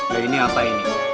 lah ini apa ini